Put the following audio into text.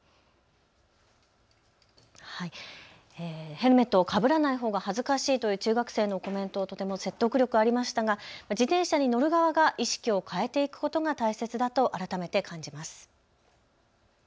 ヘルメットをかぶらないほうが恥ずかしいという中学生のコメント、とても説得力ありましたが自転車に乗る側が意識を変えていくことが大切だと改めて感じます。